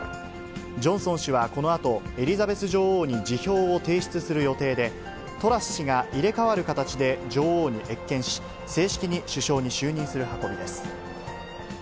ジョンソン氏はこのあと、エリザベス女王に辞表を提出する予定で、トラス氏が入れかわる形で女王に謁見し、正式に首相に就任する運びです。